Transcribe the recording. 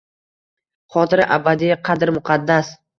Xotira abadiy, qadr muqaddas